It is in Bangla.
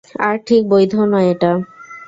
আর, ঠিক বৈধও নয় এটা।